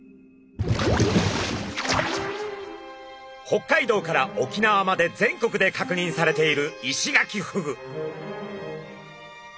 北海道から沖縄まで全国で確認されているイシガキフグ。